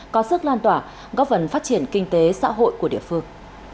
có sức lan tỏa góp phần phát triển kinh tế xã hội của địa phương